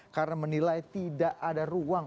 karena menilai tidak ada ruang